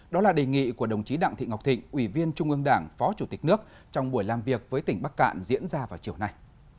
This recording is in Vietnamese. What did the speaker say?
đó là đề nghị của đồng chí đặng thị ngọc thịnh ủy viên trung ương đảng phó chủ tịch nước trong buổi làm việc với tỉnh bắc cạn diễn ra vào chiều nay